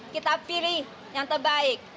kita pilih yang terbaik